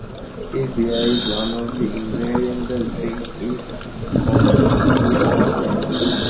If beer is one of the ingredients, the drink is called a beer cocktail.